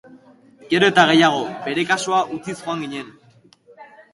Gero eta gehiago, bere kasa utziz joan ginen.